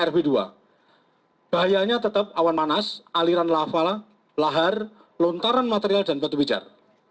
bahayanya tetap awan panas aliran lava lahar lontaran material dan batu pijar